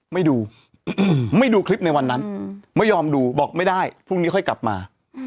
ไม่ดูไม่ดูคลิปในวันนั้นไม่ยอมดูบอกไม่ได้พรุ่งนี้ค่อยกลับมา